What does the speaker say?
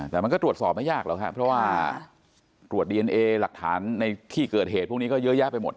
แต่มันก็ตรวจสอบไม่ยากหรอกครับเพราะว่าตรวจดีเอนเอหลักฐานในที่เกิดเหตุพวกนี้ก็เยอะแยะไปหมด